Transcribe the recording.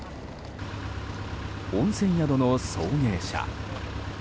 温泉宿の送迎車。